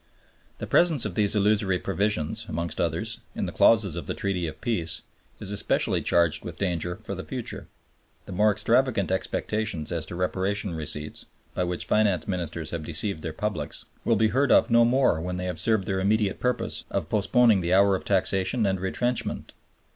The presence of these illusory provisions (amongst others) in the clauses of the Treaty of Peace is especially charged with danger for the future. The more extravagant expectations as to Reparation receipts, by which Finance Ministers have deceived their publics, will be heard of no more when they have served their immediate purpose of postponing the hour of taxation and retrenchment.